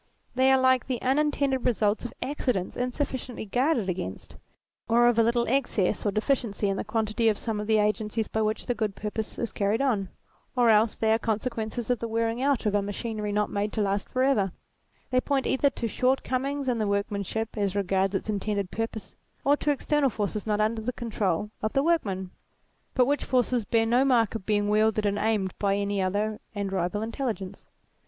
They are like the unintended results of accidents in sufficiently guarded against, or of a little excess or deficiency in the quantity of some of the agencies by which the good purpose is carried on, or else they are consequences of the wearing out of a machinery 186 THEISM not made to last for ever : they point either to short comings in the workmanship as regards its intended purpose, or to external forces not under the control of the workman, but which forces bear no mark of being wielded and aimed by any other and rival Intelligence.